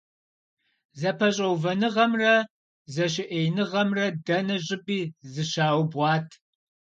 ЗэпэщӀэувэныгъэмрэ зэщыӀеиныгъэмрэ дэнэ щӀыпӀи зыщаубгъуат.